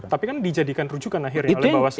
tapi kan dijadikan rujukan akhirnya oleh bawaslu